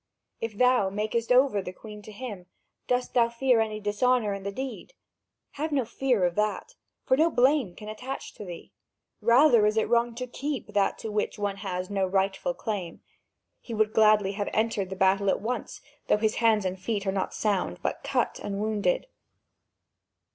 If thou makest over the Queen to him, dost thou fear any dishonour in the deed? Have no fear of that, for no blame can attach to thee; rather is it wrong to keep that to which one has no rightful claim. He would gladly have entered the battle at once, though his hands and feet are not sound, but cut and wounded."